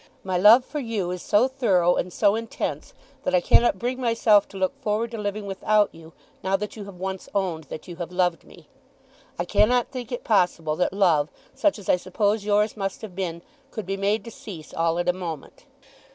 My love for you is so thorough and so intense that I cannot bring myself to look forward to living without you, now that you have once owned that you have loved me. I cannot think it possible that love, such as I suppose yours must have been, could be made to cease all at a moment.